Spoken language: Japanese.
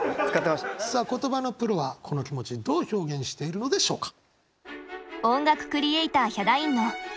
さあ言葉のプロはこの気持ちどう表現しているのでしょうか？